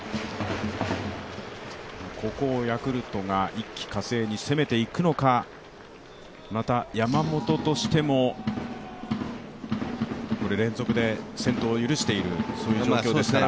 ここをヤクルトが一気呵成に攻めていくのかまた山本としても、連続で先頭を許している状況ですから。